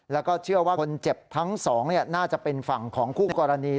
แล้วก็เชื่อว่าคนเจ็บทั้งสองน่าจะเป็นฝั่งของคู่กรณี